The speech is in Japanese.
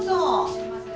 すみません。